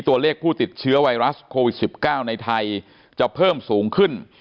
ตัวเลขผู้ติดเชื้อไวรัสโควิด๑๙ในไทยจะเพิ่มสูงขึ้น